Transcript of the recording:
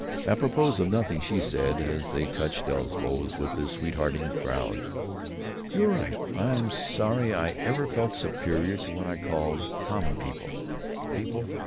Apropos of nothing, she said, as they touched elbows with the sweethearting crowd: "You were right. I'm sorry I ever felt superior to what I called 'common people.' People!